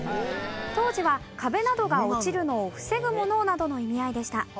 当時は「壁などが落ちるのを防ぐもの」などの意味合いでした。